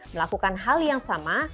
melakukan hal yang sama